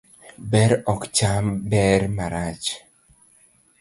Ber ok cham ber marach